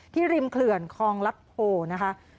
ที่ริมเคลื่อนคลองลัดโผล่นะคะ